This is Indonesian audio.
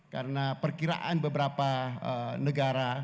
karena perkiraan beberapa negara